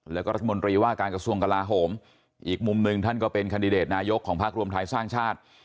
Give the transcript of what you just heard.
แล้วก็รัฐมนตรีว่าการกระทรวงกลาโหมอีกมุมหนึ่งท่านก็เป็นคันดิเดตนายกของภาครวมไทยสร้างชาติ